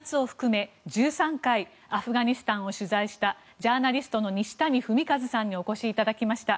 スタジオには中東地域を主に取材し今年８月を含め１３回アフガニスタンを取材したジャーナリストの西谷文和さんにお越しいただきました。